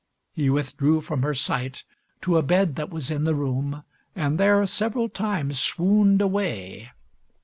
He withdrew from her sight to a bed that was in the room, and there several times swooned away.